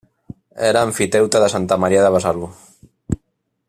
Era emfiteuta de Santa Maria de Besalú.